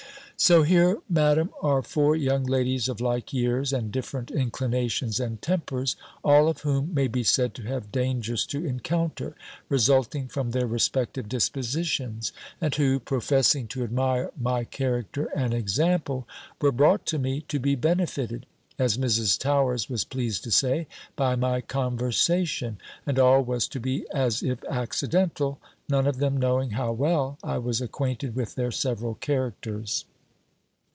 So here, Madam, are four young ladies of like years, and different inclinations and tempers, all of whom may be said to have dangers to encounter, resulting from their respective dispositions: and who, professing to admire my character and example, were brought to me, to be benefited, as Mrs. Towers was pleased to say, by my conversation: and all was to be as if accidental, none of them knowing how well I was acquainted with their several characters.